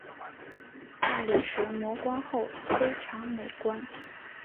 大理石磨光后非常美观。